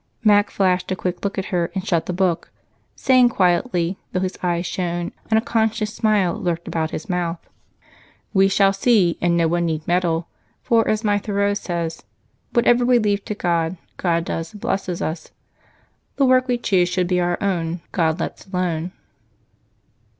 Mac flashed a quick look at her and shut the book, saying quietly, although his eyes shone, and a conscious smile lurked about his mouth: "We shall see, and no one need meddle, for, as my Thoreau says, "Whate'er we leave to God, God does And blesses us: The work we choose should be our own God lets alone."